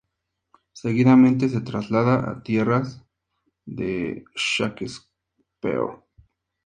Seguidamente se traslada a tierras de Shakespeare.